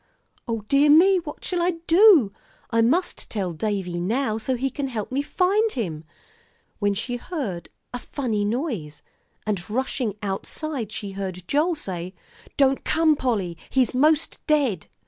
"O dear me, what shall I do? I must tell Davie now, so he can help me find him " when she heard a funny noise, and rushing outside, she heard Joel say, "Don't come, Polly, he's 'most dead."